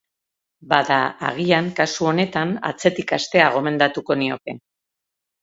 Bada, agian, kasu honetan, atzetik hastea gomendatuko nioke.